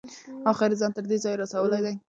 اخیر یې ځان تر دې ځایه رسولی دی.